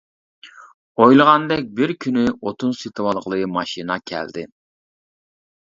ئويلىغاندەك بىر كۈنى ئوتۇن سېتىۋالغىلى ماشىنا كەلدى.